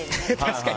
確かに。